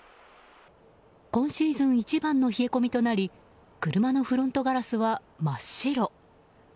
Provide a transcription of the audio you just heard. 今シーズン一番の冷え込みとなり車のフロントガラスは真っ白。